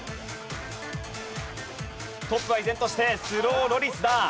トップは依然としてスローロリスだ。